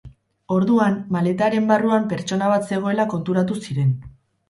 Orduan, maletaren barruan pertsona bat zegoela konturatu ziren.